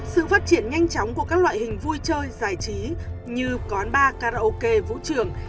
sự phát triển nhanh chóng của các loại hình vui chơi giải trí như quán bar karaoke vũ trường